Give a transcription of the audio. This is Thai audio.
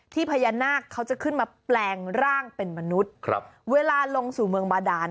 พญานาคเขาจะขึ้นมาแปลงร่างเป็นมนุษย์ครับเวลาลงสู่เมืองบาดาน